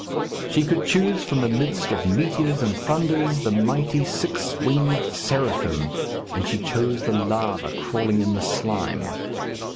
She could choose from the midst of meteors and thunders, the mighty six winged seraphim, and she chose the larva crawling in the slime.